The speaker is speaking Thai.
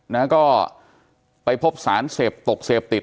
นะฮะก็ไปพบสารเสพตกเสพติด